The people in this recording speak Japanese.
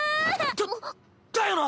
だだよな！